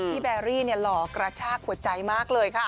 แบรี่หล่อกระชากหัวใจมากเลยค่ะ